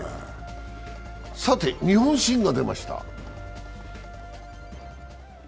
さて日本新が出ました。